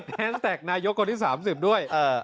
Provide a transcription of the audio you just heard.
แฮสแท็กนายกคนที่๓๐ด้วย